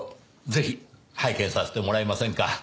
ぜひ拝見させてもらえませんか？